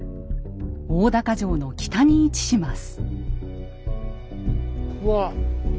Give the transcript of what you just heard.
大高城の北に位置します。